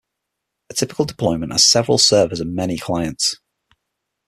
A typical deployment has several servers and many clients.